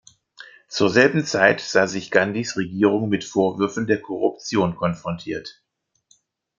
Zur selben Zeit sah sich Gandhis Regierung mit Vorwürfen der Korruption konfrontiert.